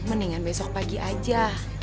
mendingan besok pagi aja